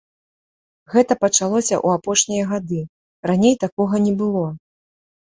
Гэта пачалося ў апошнія гады, раней такога не было.